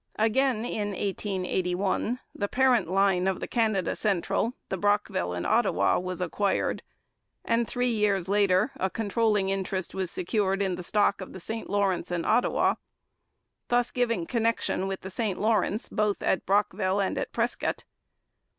Again, in 1881, the parent line of the Canada Central, the Brockville and Ottawa, was acquired, and three years later a controlling interest was secured in the stock of the St Lawrence and Ottawa, thus giving connection with the St Lawrence both at Brockville and at Prescott.